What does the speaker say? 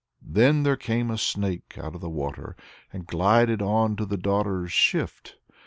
Then there came a snake out of the water, and glided on to the daughter's shift.